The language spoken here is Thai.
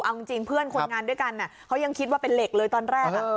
เอาจริงเพื่อนคนงานด้วยกันเขายังคิดว่าเป็นเหล็กเลยตอนแรก